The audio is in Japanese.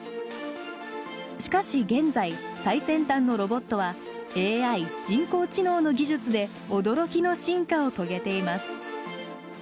しかし現在最先端のロボットはＡＩ人工知能の技術で驚きの進化を遂げています。